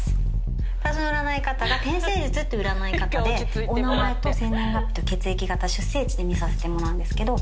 私の占い方が天星術っていう占い方でお名前と生年月日と血液型出生地で見させてもらうんですけど。